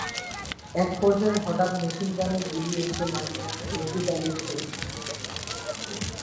একপর্যায়ে হঠাৎ মেশিনগানের গুলি এসে লাগে রশিদ আলীর শরীরে।